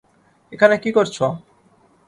এখানে কী করছো?